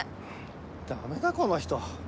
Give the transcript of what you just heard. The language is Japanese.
ダメだこの人。